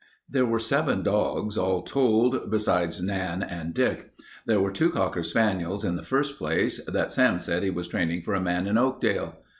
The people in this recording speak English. There were seven dogs, all told, besides Nan and Dick. There were two cocker spaniels, in the first place, that Sam said he was training for a man in Oakdale.